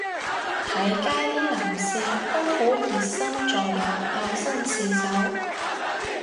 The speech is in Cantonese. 喺街啲男士都好熱心助人又紳士手